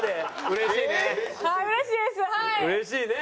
うれしいね。